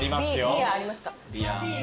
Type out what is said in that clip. ビアありますか？